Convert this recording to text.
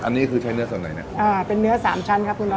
อันนี้คือใช้เนื้อสดไหนเนี้ยอ่าเป็นเนื้อสามชั้นครับคุณรับครับผม